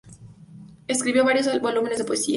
Escribió varios volúmenes de poesía.